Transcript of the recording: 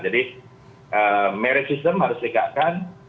jadi merit system harus dikatakan